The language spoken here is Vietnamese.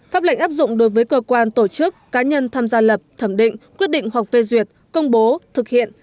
pháp lệnh áp dụng đối với cơ quan tổ chức cá nhân tham gia lập thẩm định quyết định hoặc phê duyệt công bố thực hiện